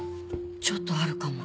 ちょっとあるかも。